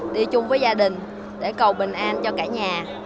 đi chung với gia đình để cầu bình an cho cả nhà